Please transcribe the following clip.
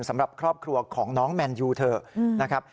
สำหรับครอบครัวของน้องแมนยูเถอะนะครับ